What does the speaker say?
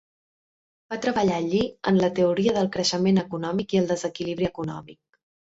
Va treballar allí en la teoria del creixement econòmic i el desequilibri econòmic.